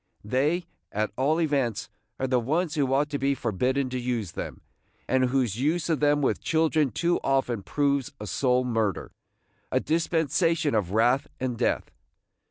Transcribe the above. They, at all events, are the ones who ought to be forbidden to use them, and whose use of them with children too often proves a soul murder, – a dispensation of wrath and death.